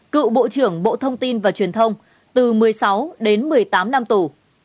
cựu bộ trưởng bộ thông tin và truyền thông từ một mươi sáu đến một mươi tám năm tù